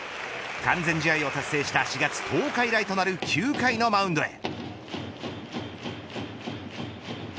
完全試合を達成した４月１０日以来となる９回のマウンドへ。